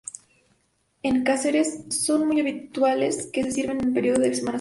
En Cáceres son muy habituales que se sirvan en el periodo de Semana Santa.